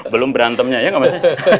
belum berantemnya ya mas